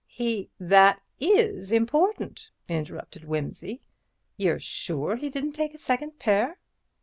He—" "That is important," interrupted Wimsey. "You are sure he didn't take a second pair?"